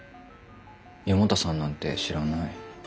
四方田さんなんて知らない。